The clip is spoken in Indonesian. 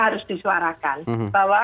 harus disuarakan bahwa